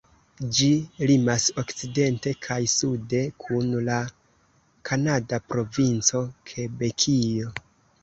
Ĝi limas okcidente kaj sude kun la kanada provinco Kebekio.